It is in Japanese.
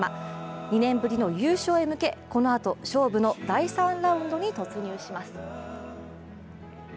２年ぶりの優勝へ向けこのあと勝負の第３ラウンドに突入します。